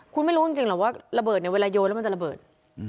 คุณไม่รู้จริงหรอกว่าระเบิดเนี่ยเวลาโยนแล้วมันจะระเบิด